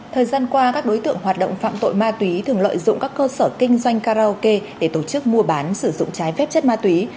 thời gian qua các đối tượng hoạt động phạm tội ma túy thường lợi dụng các cơ sở kinh doanh karaoke để tổ chức mua bán sử dụng trái phép chất ma túy